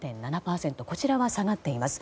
こちらは下がっています。